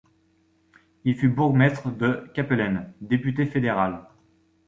Il fut bourgmestre de Kapellen, député fédéral.